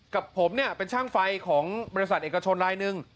กับผมเนี่ยเป็นช่างไฟของบริษัทเอกชนลายหนึ่ง